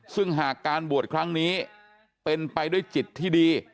ซึ่งหากการบวชครั้งนี้เป็นไปด้วยจิตที่ดี